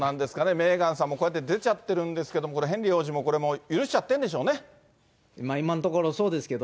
メーガンさんも、こうやって出ちゃってるんですけれども、ヘンリー王子もこれ、許しちゃってるん今のところそうですけど。